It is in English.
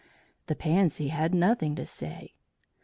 The Pansy had nothing to say.